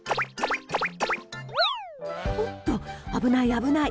おっと、危ない危ない。